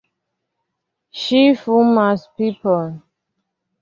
Ŝi fumas pipon!